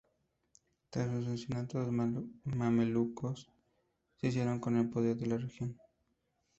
Tras su asesinato los mamelucos se hicieron con el poder en la región.